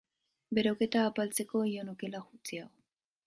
Beroketa apaltzeko, jan okela gutxiago.